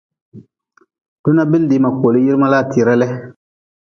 Duna bindee ma koli yirma laa tira.